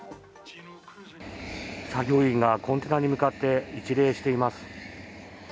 作業員がコンテナに向かって一礼しています。